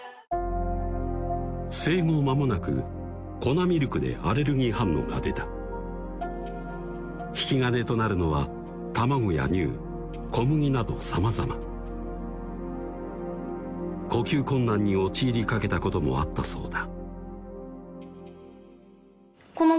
生後間もなく粉ミルクでアレルギー反応が出た引き金となるのは卵や乳小麦などさまざま呼吸困難に陥りかけたこともあったそうだ